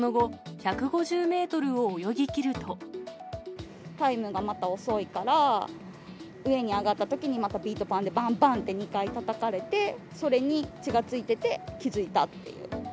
その後、タイムがまた遅いから、上に上がったときにまたビート板でばんばんって２回たたかれて、それに血が付いてて気付いたっていう。